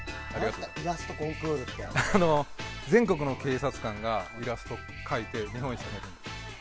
全国の警察官がイラストを描いて日本一を決めるんですよ。